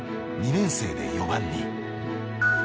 ２年生で４番に。